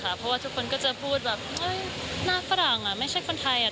เพราะว่าทุกคนก็จะพูดแบบหน้าฝรั่งไม่ใช่คนไทย